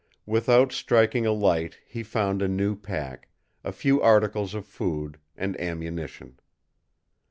Without striking a light he found a new pack, a few articles of food, and ammunition.